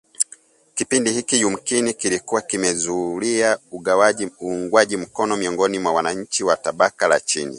Kipindi hiki yumkini kilikuwa kimemzulia uungwaji mkono miongoni mwa wananchi wa tabaka la chini